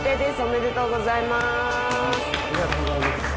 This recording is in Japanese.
ありがとうございます。